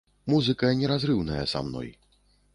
Музыка не разрыўная са мной.